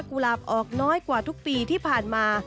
หลาบออกน้อยกว่าทุกปีที่ผ่านมา